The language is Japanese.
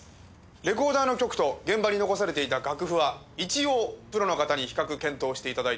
レコーダーの曲と現場に残されていた楽譜は一応プロの方に比較検討して頂いています。